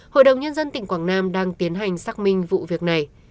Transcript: hội đồng nhân dân tỉnh quảng nam đang tiến hành xác minh vụ việc này